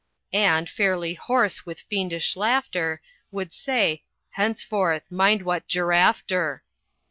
And, fairly horse with fiendish laughter, Would say, "Henceforth, mind what giraffe ter!"